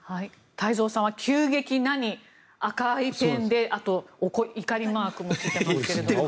太蔵さんは「急激な」に赤いペンであと、怒りマークもついていますけども。